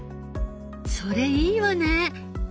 それいいわね！